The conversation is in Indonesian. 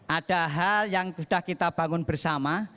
ada hal yang sudah kita bangun bersama